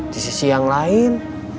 di sisi yang lain